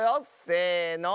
せの。